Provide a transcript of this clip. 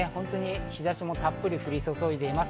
日差しもたっぷり降り注いでいます。